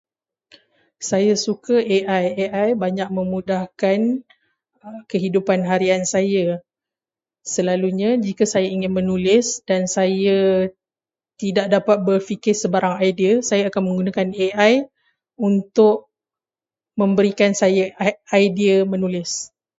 Saya suka AI. AI banyak memudahkan kehidupan harian saya. Selalunya, jika saya ingin menulis, dan saya tidak dapat berfikir sebarang idea, saya akan menggunakan IA untuk memberikan saya i- idea untuk menulis.